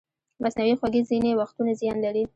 مصنوعي خوږې ځینې وختونه زیان لري.